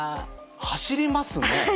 走りますね！